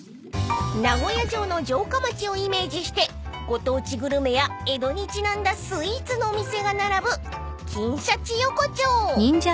［名古屋城の城下町をイメージしてご当地グルメや江戸にちなんだスイーツのお店が並ぶ金シャチ横丁］